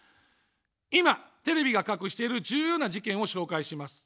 今、テレビが隠している重要な事件を紹介します。